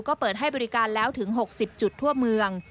ก็เปิดให้บริการแล้วถึง๖๐จุดทั่วเมือง